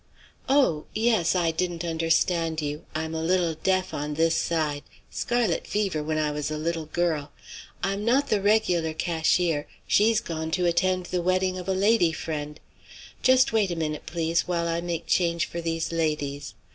Oh! yes. I didn't understand you; I'm a little deaf on this side; scarlet fever when I was a little girl. I'm not the regular cashier, she's gone to attend the wedding of a lady friend. Just wait a moment, please, while I make change for these ladies.